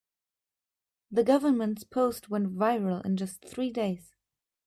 The government's post went viral in just three days.